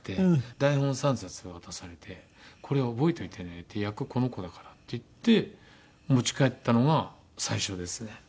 台本３冊渡されて「これ覚えておいてね。役この子だから」って言って持ち帰ったのが最初ですね。